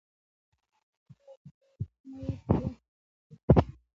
ولې هر څه باید سیاسي شي.